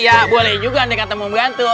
ya boleh juga andai kata mau bantu